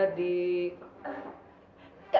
kupet aja di